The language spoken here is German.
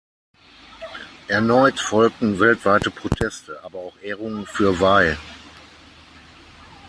Erneut folgten weltweite Proteste, aber auch Ehrungen für Wei.